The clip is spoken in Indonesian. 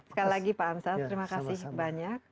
sekali lagi pak ansar terima kasih banyak